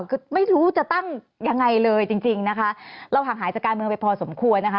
คือไม่รู้จะตั้งยังไงเลยจริงจริงนะคะเราห่างหายจากการเมืองไปพอสมควรนะคะ